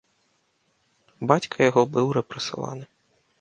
Бацька яго быў рэпрэсаваны.